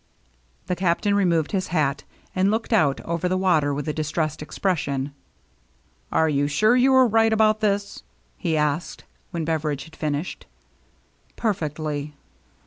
The Captain removed his hat, and looked out over the water with a distressed expression. " Are you sure you are right about this ?" he asked, when Beveridge had finished. " Perfectly."